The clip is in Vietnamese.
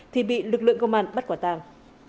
thì bị lực lượng công an bắt quả tàng